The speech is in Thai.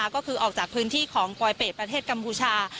ก็คือออกจากพื้นที่ของปลอยเป็ดประเทศกัมพูชา